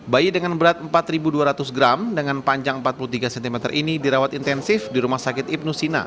bayi dengan berat empat dua ratus gram dengan panjang empat puluh tiga cm ini dirawat intensif di rumah sakit ibnu sina